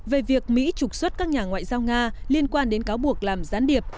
về việc mỹ trục xuất các nhà ngoại giao nga liên quan đến cáo buộc làm gián điệp